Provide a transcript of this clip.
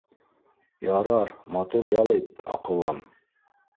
— Ярар, матур ял ит, аҡыллым